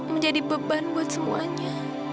menjadi beban buat semuanya